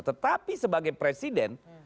tetapi sebagai presiden